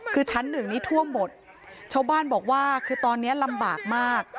คือชั้นหนึ่งนี้ท่วมหมดชาวบ้านบอกว่าคือตอนนี้ลำบากมาก